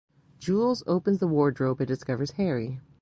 Jules opens the wardrobe and discovers Harry.